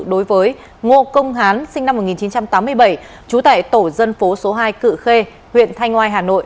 đối với ngô công hán sinh năm một nghìn chín trăm tám mươi bảy trú tại tổ dân phố số hai cự khê huyện thanh ngoai hà nội